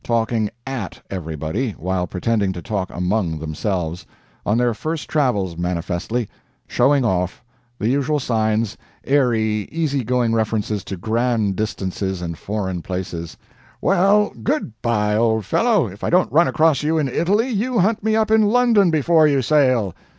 Talking AT everybody, while pretending to talk among themselves. On their first travels, manifestly. Showing off. The usual signs airy, easy going references to grand distances and foreign places. 'Well GOOD by, old fellow if I don't run across you in Italy, you hunt me up in London before you sail.'"